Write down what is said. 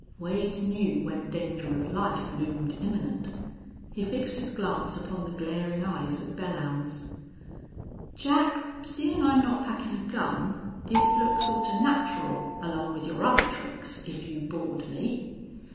Wade knew when danger of life loomed imminent. He fixed his glance upon the glaring eyes of Belllounds. "Jack, seein' I'm not packin' a gun, it'd look sorta natural, along with your other tricks, if you bored me."